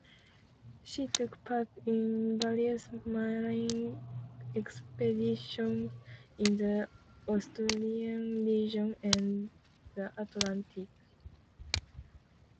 She took part in various marine expeditions in the Australian region and the Antarctic.